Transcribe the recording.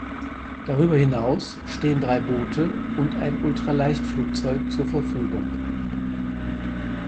Darüber hinaus stehen drei Boote und ein Ultraleichtflugzeug zur Verfügung.